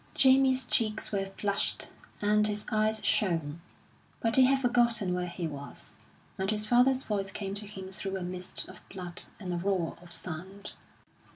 Jamie's cheeks were flushed and his eyes shone; but he had forgotten where he was, and his father's voice came to him through a mist of blood and a roar of sound.